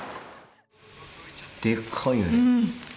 でかいよね。